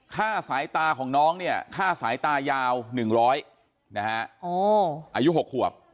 ค่าสายตาของน้องเนี่ยค่าสายตายาว๑๐๐นะฮะอายุ๖ขวบ